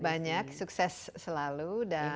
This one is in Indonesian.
banyak sukses selalu dan